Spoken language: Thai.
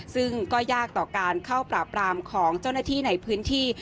ซึ่งก็ยากต่อการเข้าปราบรามของเจ้าหน้าที่ในพื้นที่